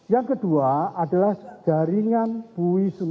yang kedua adalah jaringan buang buang